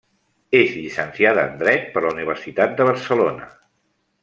És llicenciada en dret per la Universitat de Barcelona.